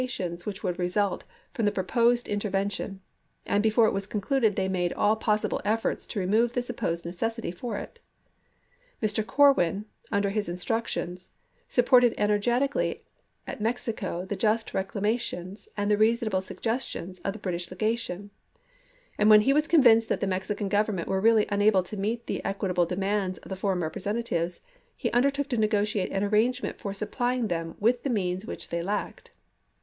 tions wMch would result from the proposed inter vention ; and before it was concluded they made all possible efforts to remove the supposed necessity for it. Mr. Corwin, under his instructions, sup ported energetically at Mexico the just reclamations and the reasonable suggestions of the British Lega tion ; and when he was convinced that the Mexican Government were really unable to meet the equitable demands of the foreign representatives, he under took to negotiate an arrangement for supplying them with the means which they lacked.